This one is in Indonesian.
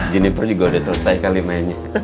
jennifer juga udah selesai kali mainnya